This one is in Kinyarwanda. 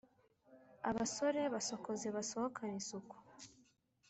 abasore basokoze basohokane isuku